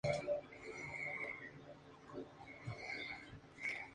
algunos, además de derechos, hasta tienen discos editados